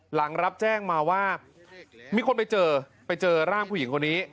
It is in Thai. หลังรับแจ้งมาว่ามีคนไปเจอไปเจอร่างผู้หญิงคนนี้